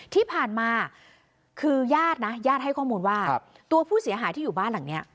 ที่ผ่านมาคือญาตินะญาติให้ข้อมูลว่าตัวผู้เสียหายที่อยู่บ้านหลังนี้